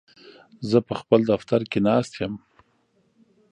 زه په خپل دفتر کې ناست یم.